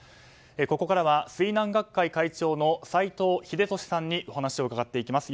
ここからは水難学会会長の斎藤秀俊さんにお話を伺っていきます。